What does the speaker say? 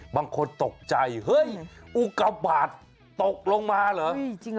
บางคนตกใจเฮ้ยอุกาบาทตกลงมาเหรอ